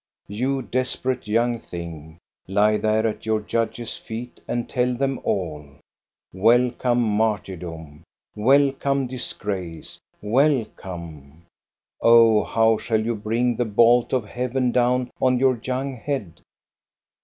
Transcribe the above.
*' You desperate young thing, lie there at your judges' feet and tell them all ! Welcome, martyrdom ! Wel come, disgrace ! Welcome ! Oh, how shall you bring the bolt of heaven down on your young head